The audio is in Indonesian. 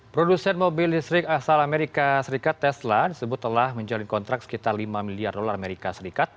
produsen mobil listrik asal amerika serikat tesla disebut telah menjalin kontrak sekitar lima miliar dolar amerika serikat